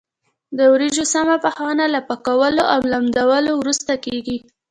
د وریجو سمه پخونه له پاکولو او لمدولو وروسته کېږي.